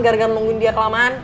gara gara menunggu dia kelamaan